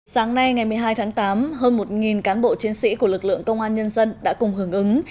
sáng nay ngày một mươi hai tháng tám hơn một cán bộ chiến sĩ của lực lượng công an nhân dân đã cùng hưởng ứng